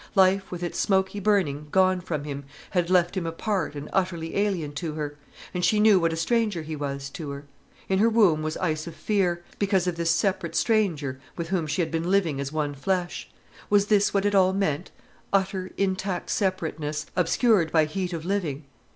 Life with its smoky burning gone from him, had left him apart and utterly alien to her. And she knew what a stranger he was to her. In her womb was ice of fear, because of this separate stranger with whom she had been living as one flesh. Was this what it all meant—utter, intact separateness, obscured by heat of living?